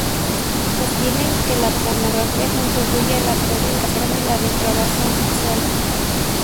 Sostienen que la pornografía contribuye a la perversión y la depravación sexual.